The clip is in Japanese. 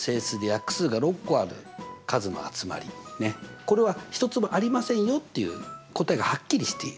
これは１つもありませんよっていう答えがはっきりしている。